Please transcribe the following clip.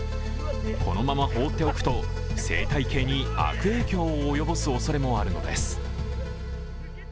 このまま放っておくと生態系に悪影響を及ぼすおそれもあるのです。